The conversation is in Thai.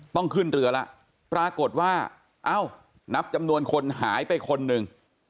ต้องขึ้นเรือแล้วปรากฏว่าเอ้านับจำนวนคนหายไปคนหนึ่ง